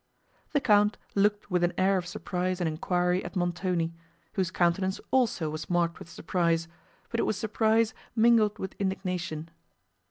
The Count looked with an air of surprise and enquiry at Montoni, whose countenance also was marked with surprise, but it was surprise mingled with indignation.